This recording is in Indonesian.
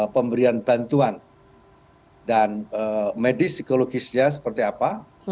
pemberian bantuan dan medis psikologisnya seperti apa